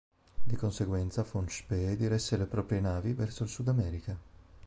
Di conseguenza von Spee diresse le proprie navi verso il Sudamerica.